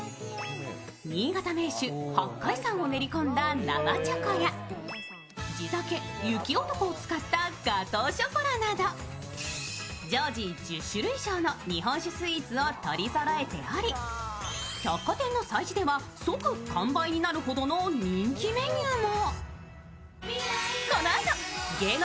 新潟銘酒・八海山を練り込んだ生チョコや地酒・雪男を使ったガトーショコラなど常時１０種類以上の日本酒スイーツを取りそろえており百貨店の催事では即完売になるほどの人気メニューも。